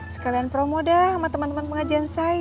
sekalian promo dah sama temen temen pengajian saya